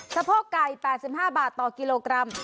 สะโพกไก่๘๕บาทต่อกิโลกรัม